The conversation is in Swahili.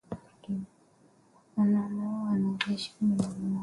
wamewaua wanajeshi kumi na mmoja wa Burkina Faso